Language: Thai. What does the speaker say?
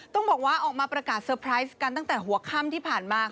ต้องบอกว่าออกมาประกาศเตอร์ไพรส์กันตั้งแต่หัวค่ำที่ผ่านมา